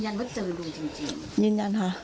เจอน่ะไม่จริง